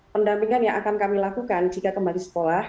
pendampingan yang akan kami lakukan jika kembali sekolah